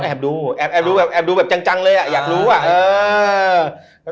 แอบดูแบบจังเลยอ่ะอยากรู้อ่ะเออ